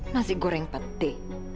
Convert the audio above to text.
nasi goreng pete